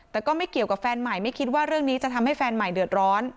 แต่ก็ไม่เกี่ยวกับแฟนใหม่ไม่คิดว่าเรื่องนี้จะทำให้แฟนใหม่เดือดร้อน